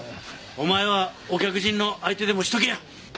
お前はお客人の相手でもしときや！